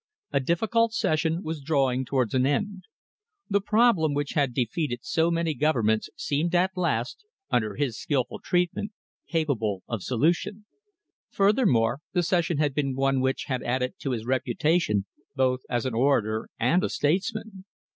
A difficult session was drawing towards an end. The problem which had defeated so many governments seemed at last, under his skilful treatment, capable of solution. Furthermore, the session had been one which had added to his reputation both as an orator and a statesman.